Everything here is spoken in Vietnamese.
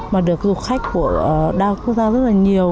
mà được du khách của đa quốc gia rất là nhiều